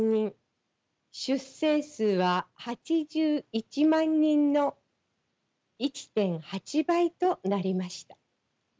出生数８１万人の１．８倍となりました。